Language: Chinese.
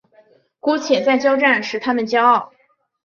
姑且再交战使他们骄傲。